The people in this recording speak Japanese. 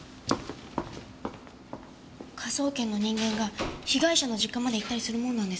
科捜研の人間が被害者の実家まで行ったりするものなんですか？